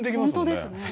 本当ですね。